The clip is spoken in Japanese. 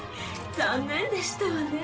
残念でしたわね。